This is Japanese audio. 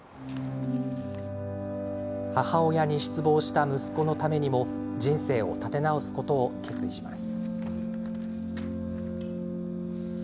母親に失望した息子のためにも人生を立て直すことを決意します。